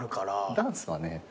ダンスはね